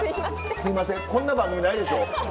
すいませんこんな番組ないでしょ？